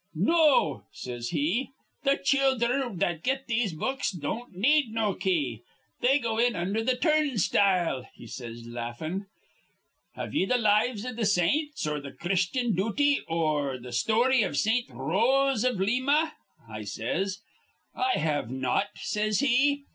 'No,' says he, 'th' childher that'll get these books don't need no key. They go in under th' turnstile,' he says, laughin'. 'Have ye th' Lives iv th' Saints, or the Christyan Dooty, or th' Story iv Saint Rose iv Lima?' I says. 'I have not,' says he.